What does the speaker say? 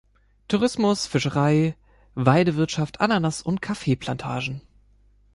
Tourismus, Fischerei, Weidewirtschaft, Ananas- und Kaffeeplantagen